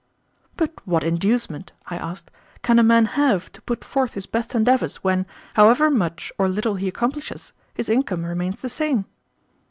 "But what inducement," I asked, "can a man have to put forth his best endeavors when, however much or little he accomplishes, his income remains the same?